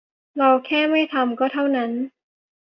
เราแค่ไม่ทำ ก็เท่านั้น